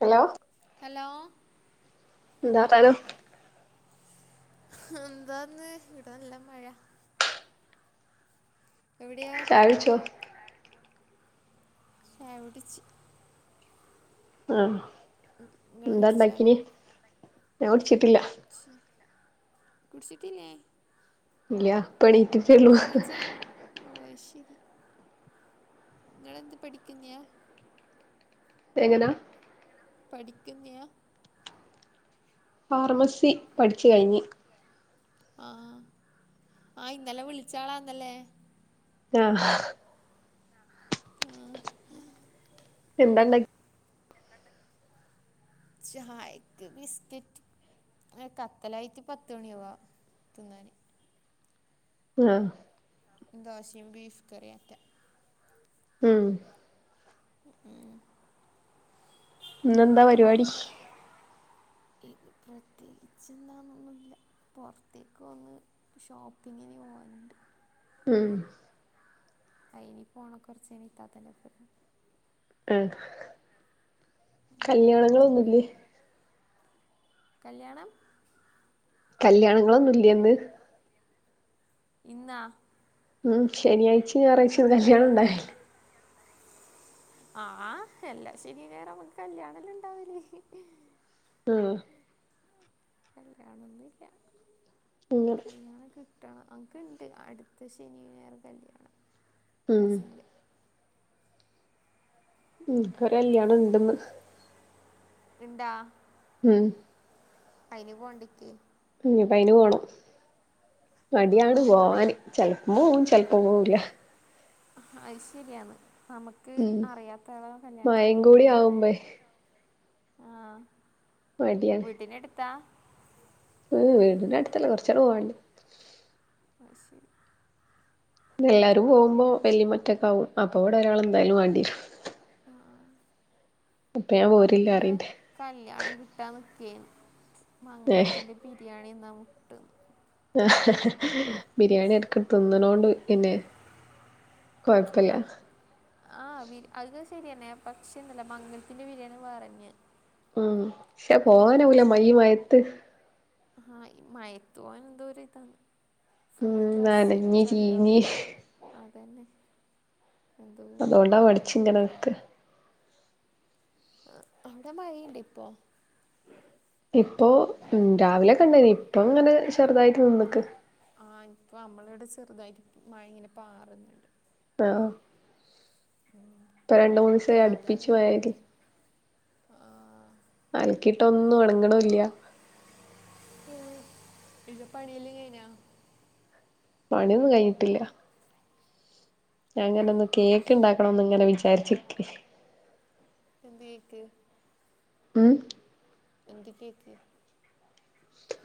Hello hello എന്താ വർത്താനം എന്താന്ന് ഇവിടെ നല്ല മഴ എവിടെയാ ചായ കുടിച്ചോ [unintelligible] ആഹ് നിങ്ങൾ ന്താ കുടിച്ചോ ണ്ടാക്കീനി ഞാ കുടിച്ചിട്ടില്ല കുടിച്ചിട്ടില്ലെ? ല്ലഞാനിപ്പോ എന്നീറ്റിട്ടൊള്ളു ഓഹ് അയ്ശരി നിങ്ങളെന്ത് പഠിക്കുന്നെ എങ്ങനാ? പഠിക്കുന്നയാ ഫാർമസി പഠിച്ചു കഴിഞ് ആഹ് ആ ഇന്നലെ വിളിച്ചാളാന്നല്ലേ? ആഹ് ആഹ് ഹാ എന്താണ്ടാ ചായക്ക് ബിസ്കിറ്റ് കത്തലായിറ്റ് പത്ത് മണിയവാ തിന്നാന് ആഹ് ദോശയും ബീഫ് കറിയിയൊക്കെ മ് ഉം ഊം ഇന്നെന്താ പരിപാടി? ഇല്ല പ്രത്യേകിച്ച് എന്താന്നൊന്നുല്ല. പുറത്തേക്കൊന്ന് ഷോപ്പിങ്ങിന് പോവാനുണ്ട് ഉം അനി പോണ കുറചൈനി ഇത്താത്തന്റെപ്പോരം ആഹ് കല്യാണങ്ങളൊന്നുല്ലേ? കല്യാണം കല്യാണങ്ങളൊന്നും ഇല്ലേന്ന്? ഇന്നാ? ഉം ശനിഴാഴ്ച ഞായറാഴ്ചൊ കല്യാണം ഉണ്ടാവലു ആഹ് എല്ലാ ശനി ഞായറും നമുക്ക് കല്യാണല്ലാണ്ടാവല് ആഹ. കല്യാണൊന്നുല്ല അങ്ങനെ കല്യാണംക്കെ ട്ടാണ് അൻക്ക്ണ്ട് അടുത്ത ശനി ഞായർ കല്യാണം ഉം കസിൻ്റെ ഇൻക്കൊരു കല്യാണണ്ടന്ന്. ഇണ്ടാ ഉം. അയിനി പോണ്ടിക്ക് ഉം പ അയിന് പോണം. ആ മടിയാണ് പോവാന്. ചൽപ്പോ പോവും ചൽപ്പോ പോവൂല്ല അഐ ശരിയാണ് നമക്ക് ഉം ക്ക് അറിയാത്ത ആളോ മഴയും കല്യാണത്തിനൊവുമ്പരു കൂടി മടിയ ആവുമ്പേ ആഹ്. വീട്ടിനടുത്താ ഉം വീടിന്റ അടുത്തല്ല കുറച്ചാടി പോകണ്ടി ആ ശരി എല്ലാരും പോവുമ്പോ വല്ലിമ്മ ഒറ്റക്കാവും അപ്പ ഇവിടെ ഒരാൾ എന്തായാലും വാണ്ടിയേരും അഹ് ആഹ് ആഹ് അപ്പൊ ഞാൻ പോരില്ല അൻക്കിങ്ങനെ പറയണ്ട് കല്ല്യാണം കിട്ടാൻ നിക്കുവേനി ഏ മംഗലത്തിൻ്റെ ബിരിയാണിന്നാ മുട്ടുന്ന് ആഹ് ബിരിയാണി എടക്ക് തിന്ന്ണോണ്ട് പിന്നെ കൊഴ്പ്പല്ല ആഹ് ബിരി അത് ശരിയന്നെ പക്ഷേണ്ടല്ലോ മംഗല്ത്തിന്റെ ബിരിയാണി വേറെന്നെ. ഉം പക്ഷെ പോവാനാവൂല മയീ മയത്ത് ഹാ ഈ മഴത്തു പോവാൻ ന്തോരു ഇതാണ് ഉം ഫുള്ള് ഡ്രെസ്സിലും നനഞ്ഞ് ചളിയാവും. ചീഞ്ഞ് അതന്നെ. എന്തോ അതോണ്ടാ മടിച്ചിങ്ങനക്ക ആഹ് അവിടെ മഴുണ്ട് ഇപ്പോ ഇപ്പൊ ഉം രാവിലെകണ്ടിനി ഇപ്പൊ ഇങ്ങനെ ചെറുതായി ആഹ് ആഹ് ഇപ്പ നമ്മളിവിടെ ചെറ്തായിട്ട് മഴങ്ങനെ പാറ്ന്ന്ണ്ട്. ആഹ് ഉം. ഇപ്പ രണ്ട്, മൂന്നീസായി അട്പ്പിച്ച് മയയ്ത്. ആഹ് അലക്കിയിട്ട ഒന്നും ഒണങ്ങണില്ല. ഉം ഇന്റെ പണിയെല്ലാ കഴിനാ പണി കഴിഞ്ഞിട്ടില്ല. ഞാൻ അങ്ങനെ ഒന്ന് കേക്ക് ഉണ്ടാക്കണംന്ന് ഇങ്ങനെ വിചാരിച്ചിക്കേ [unintelligible] ക്ക് ഉം എന്ത് കേക്ക്?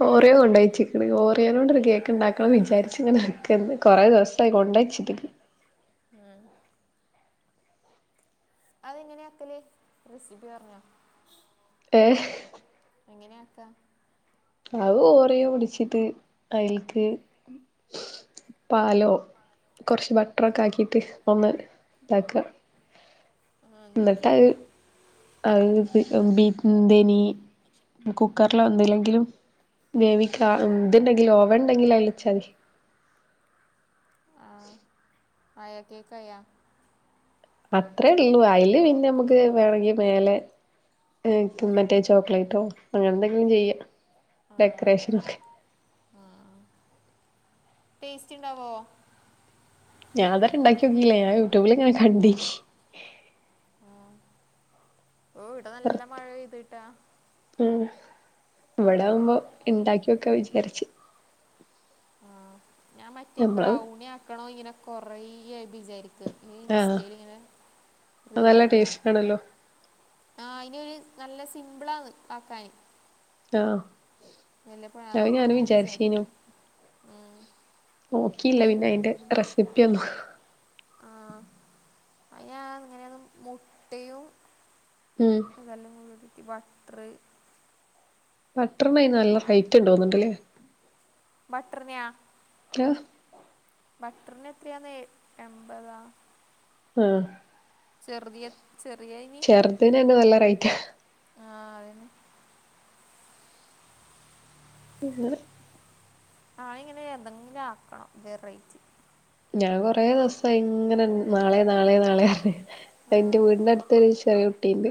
ഓറിയോ കൊണ്ടോച്ച്ക്ക്ണ് ഓറിയോനോണ്ട് ഒരു കേക്ക് ഇണ്ടാക്കണം വിചാരിച്ച ഇങ്ങനെന്ന് കൊറേ ദിവസം ഇപ്പയ് കൊണ്ടച്ചിട്ട്ക്ക് ആഹ്. അതെങ്ങനെയ വെക്കല്. റെസിപ്പി പറഞ്ഞാ. ഏഹ് എങ്ങനെയാക്കാ അത് ഓറയോ പിടിച്ചിട്ട് അതിൽക്ക് പാലോ കൊർച് ബട്ടറൊക്കെ ഉം. ആക്കിട്ട് ഒന്ന് താക്കാ ആഹ് നിക്ക് അത് ബി ബീക്കുന്തേനി കുക്കറിലോ എന്തിലെങ്കിലും മേവിക്ക. ഉം. ഇന്തുണ്ടെങ്കിലു ഓവൻ ഉണ്ടെങ്കിലും അയിൽച്ചാ മതി. ആഹ് ആയാ കേക്കായാ പ്പത്രേ ഉള്ളൂ അയില് പിന്നെ നമുക്ക് വേണങ്കിൽ മേലെ ഈക്ക് മറ്റേ ചോക്ലേറ്റോ അങ്ങനെ എന്തെങ്കിലും ചെയ്യ ആഹ ആ ടേസ്റ്റ് ഇണ്ടാവോ ഞാനൻതരണ്ടാക്ക്യോക്കില്ല ഞാൻ യൂട്യൂബിലി ഇങ്ങനെ കണ്ടിനി ഓ ഇവിടെ നല്ല മഴെയ്തിട്ടാ ഏഹ് ഇവിടാവുമ്പോ ഇണ്ടാക്കിയൊക്കെ വിചാരിച്ച് ആഹ ഞാൻ മറ്റേ നമ്മള് ബ്രൗണി ആക്കണോ ഇങ്ങനെ കൊറേയ വിചാരിക്കും. ഇത് ആഹ് ഇൻസ്റ്റയിലിങ്ങനെ അത് നല്ല റീൽ കാണും ടേസ്റ്റ് ആണല്ലോ ആഹ് അയ്നൊരു നല്ല സിമ്പിളാന്ന് ആക്കാന് ആഹ അത് ആക്കാൻ ഞാന ഇങ്ങനെ വിചാരിച്ചേനു. വിചാരിക്കും ഉം. നോക്കിയില്ല ഞാൻ പിന്നെ അയിന്റെ റെസിപ്പി ഒന്നും. ആഹ അ ഇങ്ങനെയത് മുട്ടയും, ഉം അതെല്ലാം ഉ ബട്ടർ ബട്ടറിനായി നല്ല റേറ്റ്ണ്ടോകന്നു ന്നുണ്ട്ല്ലേ. ബട്ടർ നാ. ത ബട്ടറിന് എത്രയാന്നേ എമ്പതാ ആഹ് ചെർതിയത് ചെറിയാനി ചെറുതിന് തന്നെ നല്ല റേറ്റാ ആഹ് അതന്നെ ഇങ്ങനെ ആയിങ്ങനെ എന്തെങ്കിലും ആക്കണം വെറൈറ്റി ഞാൻ കൊറെ ദിവസം ആയി ഇങ്ങനെ നാളെ നാളെ നാളെ. എന്റെ ആഹ് വീടിന്റെ അടു തൊരു ചെറിയ കുട്ടിണ്ട്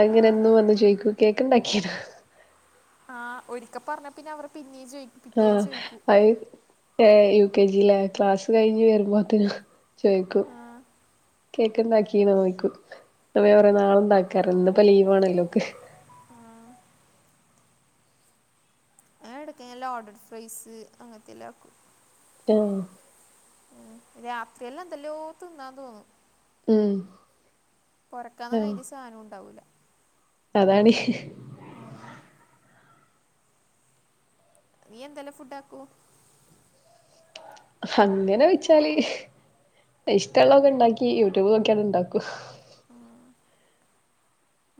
അത്ങ്ങനെ ആഹ് എന്നും വന്ന് ചോയിക്കൂ കേക്ക്ണ്ടാക്കിണാ ആഹ് ഒരിക്ക പറഞ്ഞ പിന്നെ അവർ പിന്നെയും ചോയിക്ക ആഹ. അയ് ഏ യു കെ ജിയില ക്ലാസ് കഴിഞ്ഞ് വരുമ്പോത്തന്ന. ചോയ്ക്കും. ആഹ് കേക്ക് ഉണ്ടാക്കി ഓൾക്കു. [unintelligible] കൊറെ നാളു ഉണ്ടാക്കാറ്, ഇന്നിപ്പോ ലീവ് ആണ ലോക്ക്. ട്ക്കനല്ലേ ലോഡർ ഫ്രൈസ് അങ്ങനത്തെ എല്ലാക്കും [unintelligible] ഉ രാത്രിയല്ലാം എന്തല്ലോ തിന്നാ തോന്നു ഉം. ആഹ് പൊറക്കാന്നഅയ്ത്യ സാനും ഉണ്ടാവൂല്ല അതാണ്. ആഹ് നീ എന്തല്ലേ ഫുഡ് ആക്കു? അങ്ങനെ വെച്ചാല് ഇഷ്ടള്ളൊക്കെണ്ടാക്കി യൂട്യൂബ് നോക്കിയണ്ട് ഇണ്ടാക്കൂ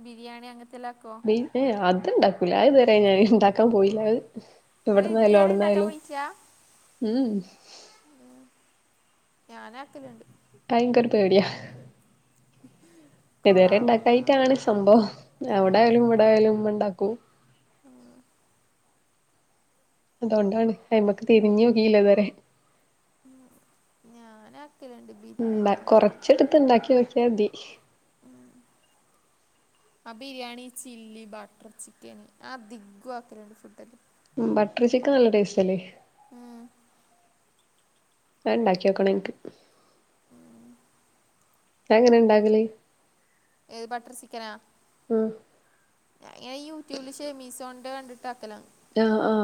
ബിരിയാണി അങ്ങനത്തെല്ല ആക്കോ? പിന്നെ അത് ഇണ്ടാക്കൂല അത് ഇതുവരെ ഞാൻ ഇണ്ടാക്കാൻ പോയില്ല അത് അത് ഇവിടന്നായാലും ഇതുവരെ ഉണ്ടാക്കാൻ അവിടുന്നായാലും. മ് ഉം. ഉം ഞാനാക്കലുണ്ട് ട്ടാൻക്കൊരു പേടിയ ഉ ഇതുവരെണ്ടാക്കായിട്ടാണ് സംഭവം. അവിടയാലും ഇവിടെ ആയാലും ഉമ്മ ഇണ്ടാക്കും. ആഹ് അതോണ്ടാണ് അയ്മക്ക് തിരിഞ്ഞു നോക്കിയില്ലേതുവരെ മ് ഞാനാക്കല്ണ്ട്. ഉം ഇണ്ടാ കൊർച്ചെടുത്ത് ഇണ്ടാക്കി നോക്കിയാതി ഉം ആഹ് ബിരിയാണി ചില്ലി ബട്ടർ ചിക്കന് ആധികോം ആക്കലുണ്ട് ഫുഡൊക് ബട്ടർ ചിക്കൻ നല്ല ടേസ്റ്റ് അല്ലേ. ഉം ഞാണ്ടാക്കി നോക്കണംൻക്ക് അത് എങ്ങനെ ഇണ്ടാക്കല് ഏത് ബട്ടർ സിക്കനാ? ഉം ഞാ യൂട്യൂബില് ഷെമീസോണിന്റെ കണ്ട്ട്ടാക്കലാണ് ആഹ് ആഹ്.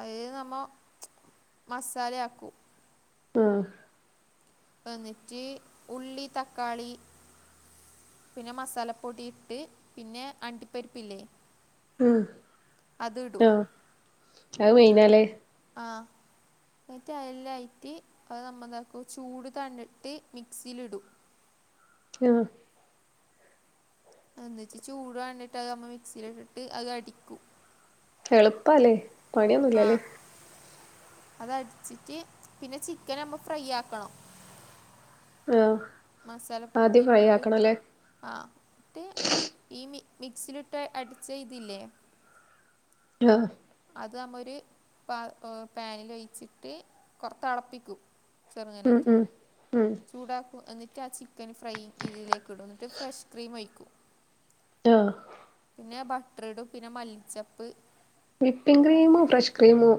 അഹ് നമ്മ മസാലയാക്കും ആഹ്. ഇന്നിട്ട് ഉള്ളി തക്കാളി പിന്നെ മസാലപ്പൊടി ഇട്ട് പിന്നെ അണ്ടിപ്പരിപ്പില്ലേ? ഉ അത് ഇടും ആ അത് മെയ്ന്നാലേ ആഹ്. ന്നിട്ട് അയ്ലായിട്ട് അത് നമ്മന്താക്കും ചൂട് തണ്ണിട്ട് മിക്സിയിലിടും [unintelligible] ഒന്നിച്ച് ചൂട് വാൻണ്ടിട്ട് അത് നമ്മൾ മിക്സിയില ഇട്ടിട്ട് അത് അടിക്കും എളുപ്പല്ലേ പണിയൊന്നുല്ലല്ലേ അതടിച്ചിട്ട് പിന്നെ ചിക്കൻ നമ്മ ഫ്രൈയാക്കണം ആഹ്. മസാല പൊടി ആദ്യം എല്ലെം ഫ്രൈ ഇട്‌ട്ട്. ആക്കണല്ലേ ആ ട്ടേ ഈ മിക്സിയിലിട്ട് അടിച്ച ഇതില്ലേ രോ അത് അമ്മ ഒര് പാ പേനിലൊഴിച്ചിട്ട് കൊർത്തെൾപ്പിക്കും. ഉം [unintelligible] ഉം ചൂടാക്കു എന്നിട്ട് ആ ചിക്കന് ഫ്രൈ ഇതിലേക്ക്‌ടും ന്നിട്ട് ഫ്രഷ് ക്രീം ഒഴിക്കും ആഹ്. പിന്നെ ബട്ട്റിടും പിന്നെ മല്ലിച്ചപ്പ് അത്ര തന്നെ വിപ്പിംഗ്ക്രീമും ഫ്രഷ് ക്രീമോ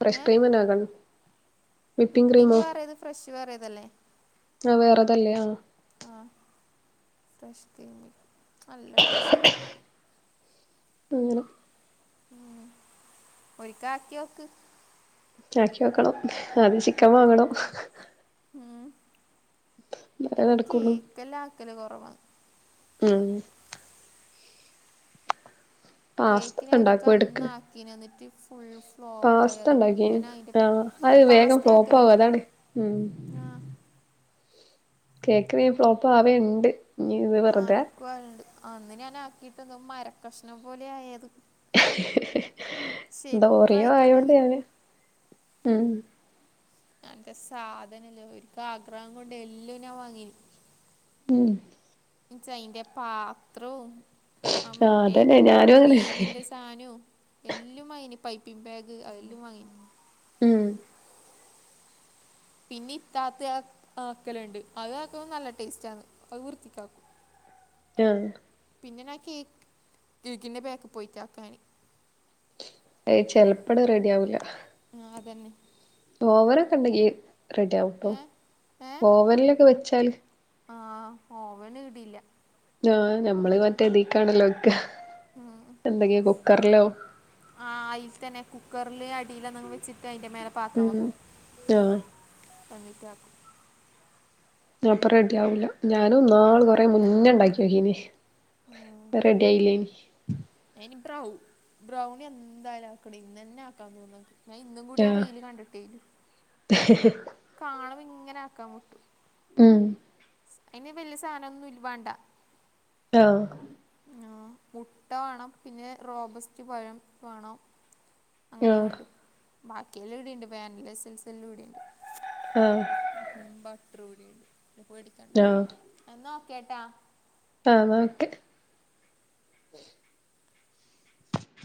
ഫ്രഷ് ഏ ക്രീം തന്നെ ആകണം വിപ്പിം വിപ്പിങ് ക്രീമോ? വേറേത് ഫ്രഷ് വേറെതല്ലേ ആ വേറെതല്ലേ ആ. ആഹ് ഫ്രഷ് തീമി നല്ല ടേസ്റ്റ്. അങ്ങനെ ഉം ഒരിക്കാക്ക്യോക്ക്‌ ചാക്കി വെക്കണം അത് ചിക്കൻ വാങ്ങണം ഉം എന്നാലേ ഞാൻ നടക്കുള്ളൂ കേക്കല്ലാക്കല് കൊറവാണ് ഉം കേക്കിനെ പാസ്ത ഒരിക്കെ ഉണ്ടാക്കും എടക്ക് അന്നാക്കിന് ന്നിട്ട് ഫുൾ ഫു പാസ്ത ഫ്ലോപ്പായത് ഉണ്ടാക്കിന് പിന്നെന്നാ അയ്ന്റെ ആഹ് അത് വേഗം ഫ്ലോപ്പ് ആവും പാസ്ത്യാക്കല്ണ്ട് അതാണ് ഉം ആ. കേക്കറീ ഫ്ലോപ്പാവയ്ണ്ട് അനക്കുആവല്ണ്ട് അന്ന് ഞാനാക്കീട്ട് മരക്കഷ്ണം പോലെയായത് ശരിക്കും എന്തോറിയോ ആയിട്ടില്ല ആയോണ്ട് അത് ഞാന് ഉ നല്ല സാധനല്ലേ ഒക്ക് ആഗ്രഹം കൊണ്ട് എല്ലാം ഞാൻ വാങ്ങീ മ്മ്ഹ്. ഇജ്ജ് അയ്ന്റെ പാത്രവും ആ ആഹ് മറ്റേ അതന്നെ ഞാനും അങ്ങനെ ക്രീമിന്റെ സാനും എല്ലാം വാങ്ങിന് പൈപ്പിംഗ്ബാഗ് അതെല്ലാം വാങ്ങീന് ഉം പിന്നെ ഇത്താത്ത അക്കലുണ്ട് അത് ആക്കുമ്പ നല്ല ടേസ്റ്റ ആന്ന് അത് വൃത്തിക്കാക്കും [inaudible] ആ പിന്നെഞാൻ കേക്ക് കേക്കിൻ്റെ ബേക്ക് പോയിട്ടാക്കാന്. ഹെ ചെലപ്പടം റെഡി ആവൂല്ല ആഹ്, തന്നെ ഓവനൊക്കെ ണ്ടെങ്കിൽ റെഡി ആവുട്ടോ ഏ ഓവനിലൊക്കെ വെച്ചാൽ ആഹ് ഓവനിടില്ല ആഹ് ഞമ്മള് മറ്റേ തീക്കാണല്ലോണ്ക്ക എന്തെങ്കി കുക്കറിലോ ആഹ് അയിൽ തന്നെ കുക്കറില് അടിലന്നങ് വെച്ചിട്ട് അയ്ന്റെ മേല പാത്രം ഉം വെക്കും ആഹ് [unintelligible] അപ്പൊ റെഡിയാവൂല ഞാനും ഇന്നാള് കൊറേ മുന്നേ ഇണ്ടാക്കി നോക്കീന് റെഡിയായില്ല [inaudible] അയിന് ബ്രൗ ബ്രൗണി എന്തായാലും ആക്കണം ഇന്നന്നെ ആക്കാന്തോന്നും എന്ക്ക് ഞാൻ ഇന്നും കൂടി ആ റീല്‌ കണ്ടിട്ടേലു. ഹ് ഹ് കാനുബ ഇങ്ങനെ ആക്കാൻ മുട്ടു ഉം. അയ്ന് വല്യ സാനൊന്നും വാണ്ടാ. ആഹ്. ആഹ്, മുട്ട വാണം പിന്നെ റോബസ്റ്റ് പഴം വാണം. അങ്ങനെയെ ആഹ് വേണ്ടു ബാക്കിയെല്ലാം ഇവിടെയ്ണ്ട് വാനില എസൻസെല്ലുവിടെയുണ്ട് ആഹ്. ഹ്മ് ഹ്മ് ബട്ടറോളിയ്ണ്ട് പിന്നെ പേടിക്ക ആഹ എന്നാ ഓക്കെട്ടാ. ആ ന്നാ ഓക്കെ.